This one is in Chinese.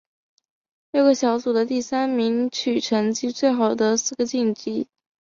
六个小组的第三名取成绩最好的四个晋级。